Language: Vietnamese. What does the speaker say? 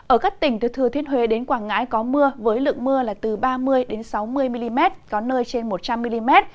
ở các tỉnh từ thừa thiên huế đến quảng ngãi có mưa với lượng mưa là từ ba mươi sáu mươi mm có nơi trên một trăm linh mm